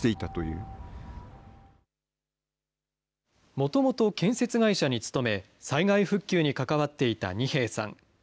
もともと建設会社に勤め、災害復旧に関わっていた二瓶さん。